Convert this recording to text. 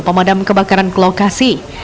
pemadam kebakaran ke lokasi